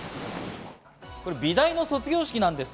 美大の卒業式なんです。